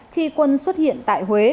khi quân xuất hiện tại huế